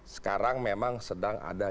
sekarang memang sedang ada